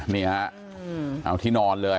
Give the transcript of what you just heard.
นี่ฮะเอาที่นอนเลย